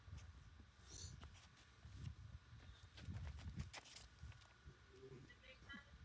هغوی خپل واده کوي